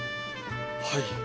はい。